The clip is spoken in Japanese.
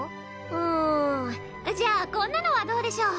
うんじゃあこんなのはどうでしょう？